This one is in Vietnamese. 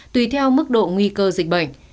tùy theo mức độ nguy cơ dịch bệnh